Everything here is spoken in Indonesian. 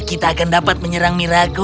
kita akan dapat menyerang miraku